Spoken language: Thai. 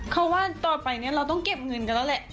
เขาว่าต่อไปเนี่ยเราต้องเก็บเงินกันแล้วแหละ